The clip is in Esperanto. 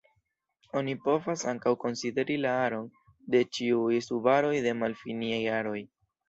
Oni povas ankaŭ konsideri la aron de ĉiuj subaroj de malfiniaj aroj.